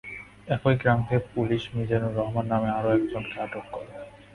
একই গ্রাম থেকে পুলিশ মিজানুর রহমান নামে আরও একজনকে আটক করে।